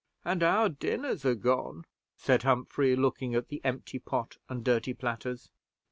"And our dinners are gone," said Humphrey, looking at the empty pot and dirty platters.